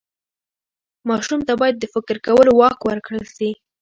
ماشوم ته باید د فکر کولو واک ورکړل سي.